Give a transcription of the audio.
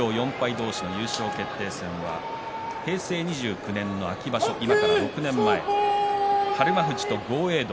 同士の優勝決定戦は平成２９年の秋場所、今から６年前日馬富士と豪栄道。